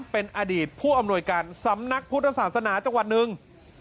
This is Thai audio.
เป็นอดีตผู้อำนวยการสำนักพุทธศาสนาจังหวัดหนึ่ง